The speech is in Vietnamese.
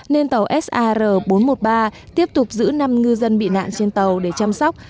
nên tàu sar bốn trăm một mươi ba tiếp tục giữ năm ngư dân bị nạn trên tàu để chăm sóc